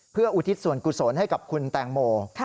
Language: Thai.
เพื่ออุทิศส่วนกุศลให้กับคุณแตงโม